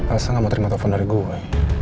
asal gak mau terima telfon dari gua